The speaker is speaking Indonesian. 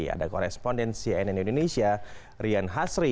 ada korespondensi nn indonesia rian hasri